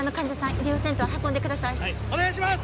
医療テントへ運んでくださいはいお願いします！